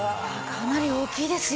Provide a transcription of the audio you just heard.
かなり大きいですよ。